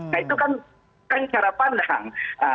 nah itu kan cara pandang